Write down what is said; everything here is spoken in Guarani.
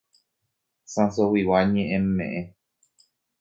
Sãsoguigua Ñe'ẽme'ẽ.